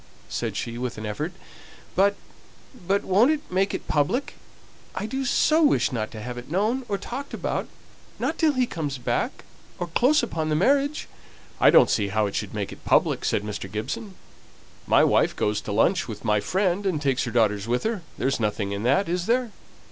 said she, with an effort. "But but won't it make it public? I do so wish not to have it known, or talked about, not till he comes back or close upon the marriage." "I don't see how it should make it public," said Mr. Gibson. "My wife goes to lunch with my friend, and takes her daughters with her there's nothing in that, is there?"